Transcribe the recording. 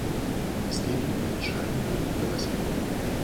Und es geht um entscheidende Verbesserungen.